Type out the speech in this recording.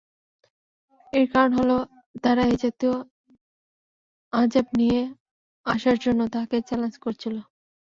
এর কারণ হল, তারা এ জাতীয় আযাব নিয়ে আসার জন্য তাঁকে চ্যালেঞ্জ করেছিল।